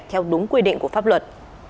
theo đúng quy định của pháp luật